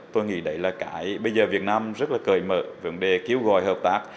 tôi nghĩ đấy là cái bây giờ việt nam rất là cởi mở vấn đề kêu gọi hợp tác